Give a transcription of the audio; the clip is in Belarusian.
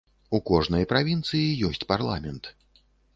У кожнай правінцыі ёсць парламент.